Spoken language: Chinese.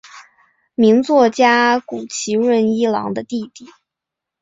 名作家谷崎润一郎的弟弟。